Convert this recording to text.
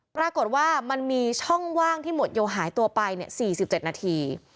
ปรากฏว่ามันมีช่องว่างที่หมวดโยหายตัวไป๔๗นาที